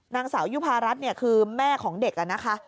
นางสาวยุภารัฐเนี่ยคือแม่ของเด็กนะคะ